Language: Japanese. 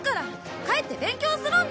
帰って勉強するんだ。